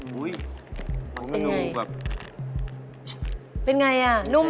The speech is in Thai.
ผุมปลอม